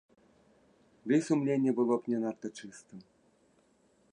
Ды і сумленне было б не надта чыстым.